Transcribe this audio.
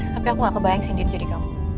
tapi aku gak kebayang sih dini jadi kamu